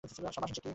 সাবাশ, জ্যেকি!